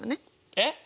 えっ？